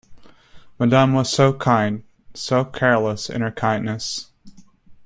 Madame was so kind, so careless in her kindness.